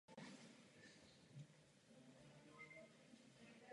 Uvádí se jako spisovatel.